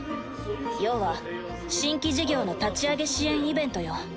要は新規事業の立ち上げ支援イベントよ。